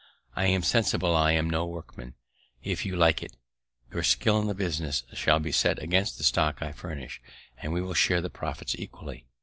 I am sensible I am no workman; if you like it, your skill in the business shall be set against the stock I furnish, and we will share the profits equally."